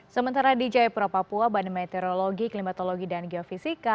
sementara di jayapura papua badan meteorologi klimatologi dan geofisika